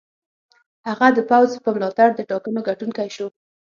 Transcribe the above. هغه د پوځ په ملاتړ د ټاکنو ګټونکی شو.